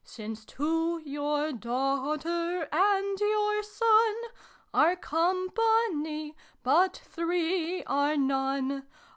Since two (your daughter and your son} Are Company, but three are none.